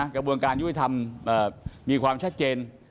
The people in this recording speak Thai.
กระบวนการยุติธรรมมีความชัดเจน